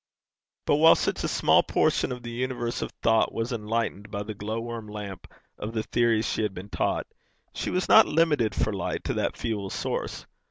But while such a small portion of the universe of thought was enlightened by the glowworm lamp of the theories she had been taught, she was not limited for light to that feeble source.